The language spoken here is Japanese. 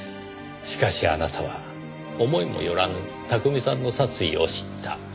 しかしあなたは思いもよらぬ巧さんの殺意を知った。